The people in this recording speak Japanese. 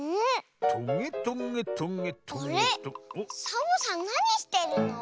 サボさんなにしてるの？